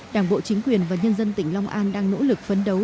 đảng bộ chính quyền và nhân dân tỉnh long an đang nỗ lực phấn đấu